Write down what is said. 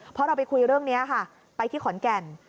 เพราะเราไปคุยเรื่องนี้ค่ะไปที่ขอนแก่น